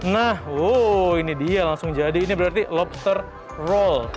nah wow ini dia langsung jadi ini berarti lobster roll